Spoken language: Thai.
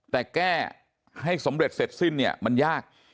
แต่แก้ให้สำเร็จเสร็จสิ้นเนี่ยมันยาก